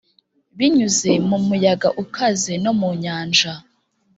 binyuze mu muyaga ukaze no mu nyanja.